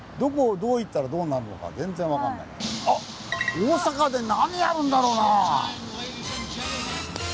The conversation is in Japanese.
大阪で何やるんだろうな？